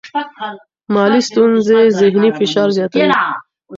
مالي ستونزې ذهنی فشار زیاتوي.